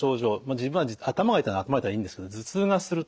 自分は頭が痛いなら頭が痛いでいいんですけど頭痛がすると。